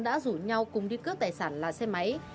đã rủ nhau cùng đi cướp tài sản là xe máy